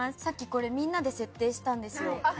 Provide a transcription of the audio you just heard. さっきこれみんなで設定したんですよ。